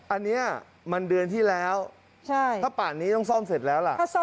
อันนี้มันเดือนที่แล้วถ้าป่านนี้ต้องซ่อมเสร็จแล้วล่ะ